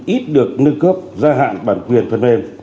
ít được nâng cấp gia hạn bản quyền phần mềm